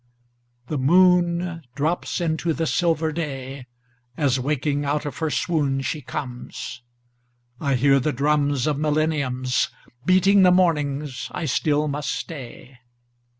The moon drops into the silver dayAs waking out of her swoon she comes.I hear the drumsOf millenniumsBeating the mornings I still must stay.